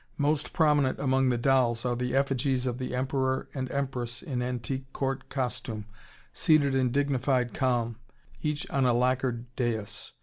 Most prominent among the dolls are the effigies of the Emperor and Empress in antique court costume, seated in dignified calm, each on a lacquered dais.